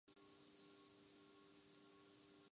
میاں نواز شریف کی۔